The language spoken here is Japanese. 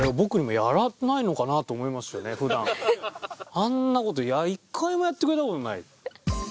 あんな事一回もやってくれた事ない。